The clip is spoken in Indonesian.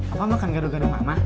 apa makan garu garu mama